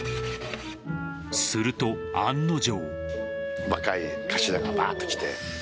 すると案の定。